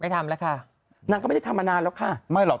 นางก็ไม่ได้ทำมานานหรอกค่ะ